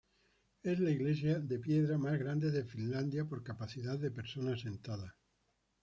Es la iglesia de piedra más grande de Finlandia por capacidad de personas sentadas.